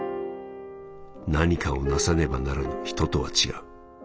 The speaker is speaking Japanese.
「何かをなさねばならぬ人とは違う」。